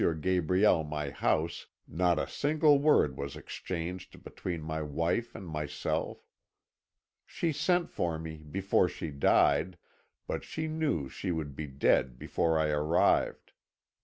Gabriel my house, not a single word was exchanged between my wife and myself. She sent for me before she died, but she knew she would be dead before I arrived.